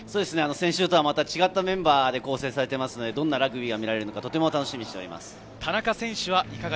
先週とはまた違ったメンバーで構成されてますので、どんなラグビーが見られるのか、とても楽しみです。